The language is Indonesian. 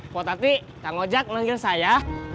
pokoknya kak ngajak manggil saya